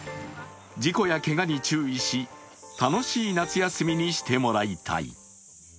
事故やけがに注意し楽しい夏休みにしてもらいたい。